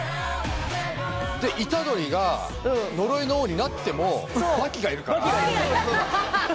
で虎杖が呪いの王になっても刃牙がいるから。